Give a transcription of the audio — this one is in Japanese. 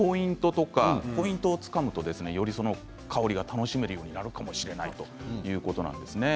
ポイントをつかむとより香りが楽しめるようになるかもしれないということです。